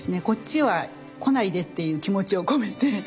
こっちは来ないでっていう気持ちを込めて。